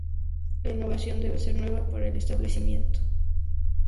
La innovación debe ser nueva para el establecimiento.